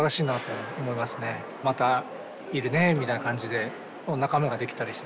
「またいるね」みたいな感じで仲間ができたりして。